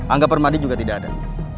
angga permadi juga tidak ada